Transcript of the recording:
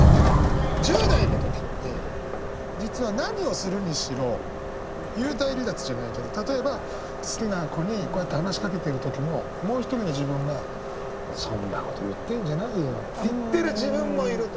１０代の時って実は何をするにしろ幽体離脱じゃないけど例えば好きな子にこうやって話しかけてる時ももう一人の自分が「そんなこと言ってんじゃないよ」って言ってる自分もいると。